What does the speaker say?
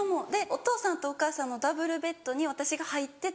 お父さんとお母さんのダブルベッドに私が入ってて。